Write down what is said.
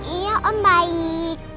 iya om baik